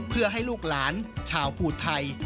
เพื่อให้ลูกหลานชาวภูไทย